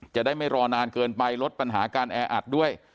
จะได้ไม่รอนานเกินไปลดปัญหาการแออัดด้วย